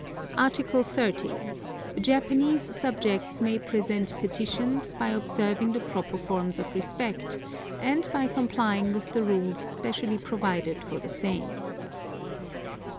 Article 30. Japanese subjects may present petitions, by observing the proper forms of respect, and by complying with the rules specially provided for the same.